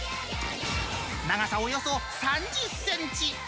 長さおよそ３０センチ。